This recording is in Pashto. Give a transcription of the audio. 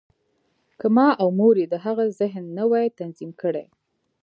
که ما او مور یې د هغه ذهن نه وای تنظیم کړی